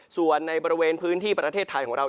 ส่วนในบริเวณพื้นที่ประเทศไทยของเรา